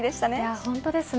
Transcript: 本当ですね。